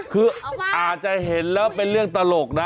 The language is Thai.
คืออาจจะเห็นแล้วเป็นเรื่องตลกนะ